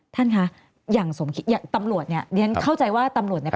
ท่านคะอย่างสมคิดอย่างตำรวจเนี่ยเรียนเข้าใจว่าตำรวจเนี่ย